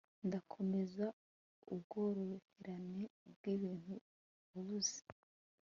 Ndakomeza ubworoherane bwibintu wabuze